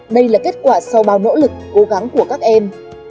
đây là kết quả sau bao nỗ lực cố gắng của các em